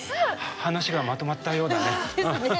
話がまとまったようだね。